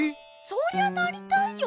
そりゃなりたいよ。